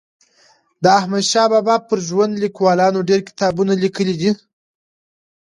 د احمدشاه بابا پر ژوند لیکوالانو ډېر کتابونه لیکلي دي.